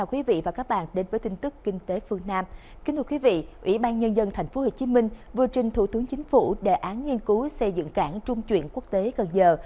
ubnd tp hcm vừa trình thủ tướng chính phủ đề án nghiên cứu xây dựng cảng trung truyền quốc tế cần giờ